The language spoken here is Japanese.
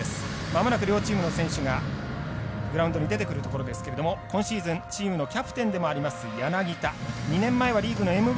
まもなく両チームの選手がグラウンドに出てくるところですが今シーズン、チームのキャプテンでもあります